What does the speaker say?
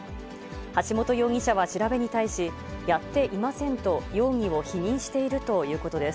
橋本容疑者は調べに対し、やっていませんと、容疑を否認しているということです。